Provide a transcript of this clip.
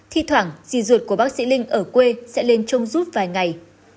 thi thoảng rì ruột của bác sĩ linh ở quê sẽ lên trông rút vài ngày